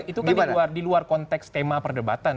itu kan diluar konteks tema perdebatan